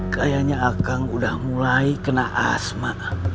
kayaknya akang udah mulai kena asma